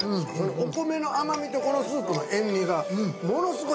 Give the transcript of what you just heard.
お米の甘味とこのスープの塩味がものすごい